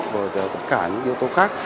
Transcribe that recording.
và tất cả những yếu tố khác